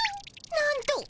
なんと！